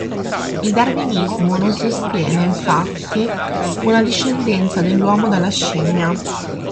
Il darwinismo non sostiene, infatti, una discendenza dell'uomo dalla scimmia.